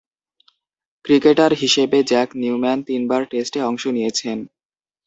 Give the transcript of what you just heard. Cricketer হিসেবে Jack Newman তিনবার টেস্টে অংশ নিয়েছেন।